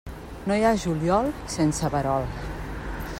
No hi ha juliol sense verol.